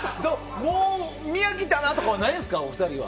見飽きたなとかないんですかお二人は？